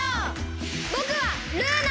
ぼくはルーナ！